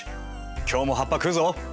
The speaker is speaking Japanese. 今日も葉っぱ食うぞ！